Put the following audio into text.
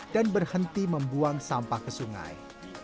berhenti membuang sampah ke sungai